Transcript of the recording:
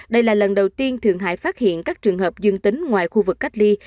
đây là lần đầu tiên thượng hải phát hiện các trường hợp dương tính ngoài khu vực cách ly